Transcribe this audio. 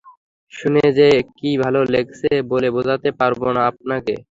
শুনে যে কী ভালো লাগছে বলে বোঝাতে পারব না আপনাকে!